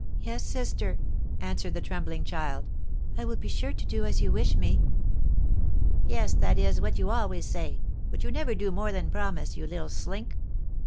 "Yes, sister," answered the trembling child; "I will be sure to do as you wish me." "Yes, that is what you always say; but you never do more than promise, you little slink!